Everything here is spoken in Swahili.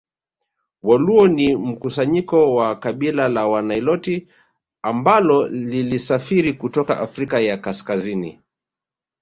Waluo ni mkusanyiko wa kabila la Waniloti ambalo lilisafiri kutoka Afrika ya Kaskazini